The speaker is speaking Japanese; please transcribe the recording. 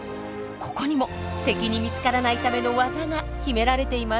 ここにも敵に見つからないためのワザが秘められています。